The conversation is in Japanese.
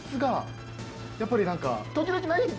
やっぱり何か時々。